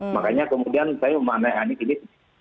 makanya kemudian saya memanai anies ini